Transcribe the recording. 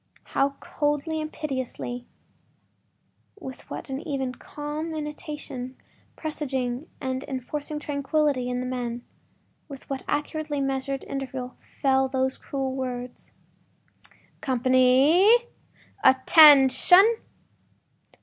How coldly and pitilessly—with what an even, calm intonation, presaging, and enforcing tranquility in the men—with what accurately measured interval fell those cruel words: “Company!… Attention!